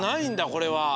これは。